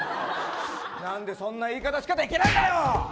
何で、そんな言い方しかできねえんだよ！